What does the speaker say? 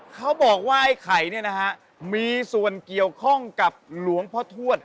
เขาบอกว่าไอ้ไข่เนี่ยนะฮะมีส่วนเกี่ยวข้องกับหลวงพ่อทวด